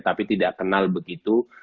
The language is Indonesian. tapi tidak kenal begitu